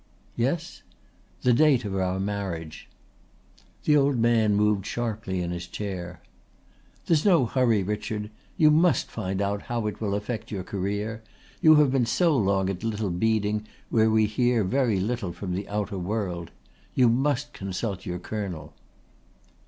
"Yes?" "The date of our marriage." The old man moved sharply in his chair. "There's no hurry, Richard. You must find out how it will affect your career. You have been so long at Little Beeding where we hear very little from the outer world. You must consult your Colonel."